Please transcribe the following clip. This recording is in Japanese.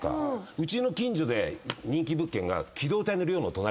うちの近所で人気物件が。